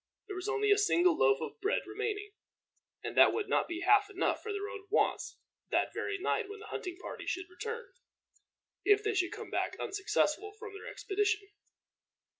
There was only a single loaf of bread remaining, and that would not be half enough for their own wants that very night when the hunting party should return, if they should come back unsuccessful from their expedition.